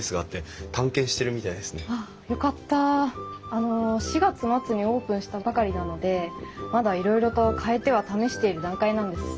あの４月末にオープンしたばかりなのでまだいろいろと変えては試している段階なんです。